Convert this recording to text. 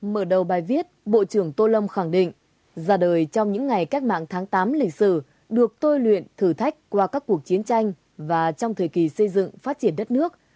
mở đầu bài viết bộ trưởng tô lâm khẳng định ra đời trong những ngày cách mạng tháng tám lịch sử được tôi luyện thử thách qua các cuộc chiến tranh và trong thời kỳ xây dựng phát triển đất nước